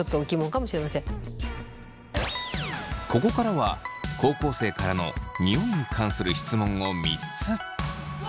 ここからは高校生からのニオイに関する質問を３つ。